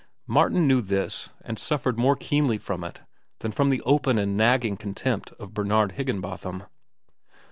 Martin knew this and suffered more keenly from it than from the open and nagging contempt of Bernard Higginbotham.